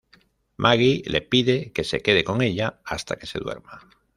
Maggie le pide que se quede con ella hasta que se duerma.